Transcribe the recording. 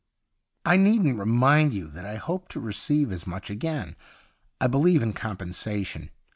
' I needn't remind you that I hope to receive as much again. I believe in compensation.